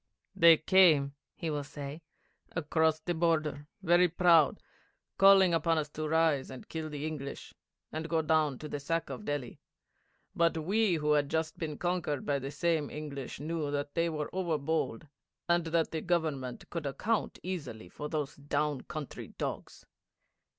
'They came,' he will say, 'across the border, very proud, calling upon us to rise and kill the English, and go down to the sack of Delhi. But we who had just been conquered by the same English knew that they were over bold, and that the Government could account easily for those down country dogs.